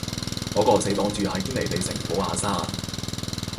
我個死黨住喺堅尼地城寶雅山